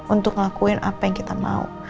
untuk ngelakuin apa yang kita mau